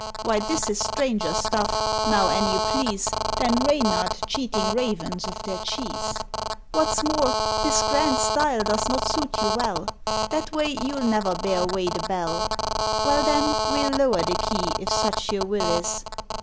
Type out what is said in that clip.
Why this is stranger stuff, now, an' you please, Than Reynard cheating ravens of their cheese; What's more, this grand style does not suit you well, That way you'll never bear away the bell." Well, then, we'll lower the key, if such your will is.